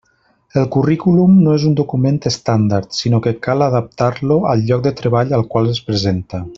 El currículum no és un document estàndard sinó que cal adaptar-lo al lloc de treball al qual es presenta.